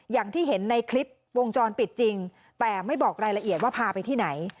อย่างที่เห็นในคลิปวงจรปิดจริงแต่ไม่บอกรายละเอียดว่าพาไปที่ไหน